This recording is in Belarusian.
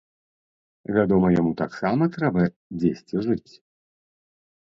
Вядома, яму таксама трэба дзесьці жыць.